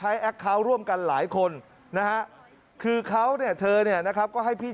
ที่วันละไขของให้ลูกค้าไป